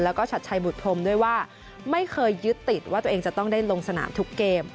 แล้วก็ชัดชัยบุตพรมด้วยว่าไม่เคยยึดติดว่าตัวเองจะต้องได้ลงสนามทุกเกม